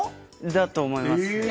だと思います。